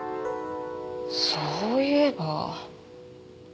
そういえば。